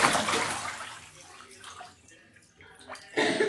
Ve věku patnácti let nastoupil do hospodářství svého otce.